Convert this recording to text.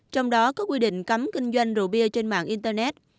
trong đó có quy định cấm kinh doanh rượu bia trên mạng internet